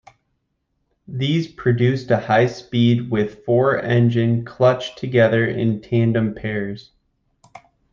These produced a high speed with four engines clutched together in tandem pairs.